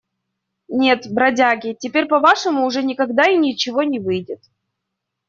Нет, бродяги, теперь по-вашему уже никогда и ничего не выйдет.